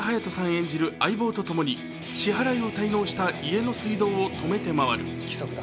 演じる相棒と共に、支払いを滞納した家の水道を止めた回る。